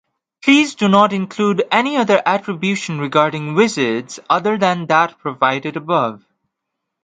Please do not include any other attribution regarding Wizards other than that provided above.